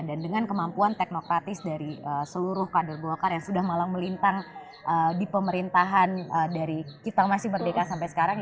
dan dengan kemampuan teknokratis dari seluruh kader golkar yang sudah malah melintang di pemerintahan dari kita masih merdeka sampai sekarang